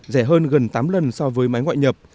rẻ hơn gần tám lần so với máy ngoại nhập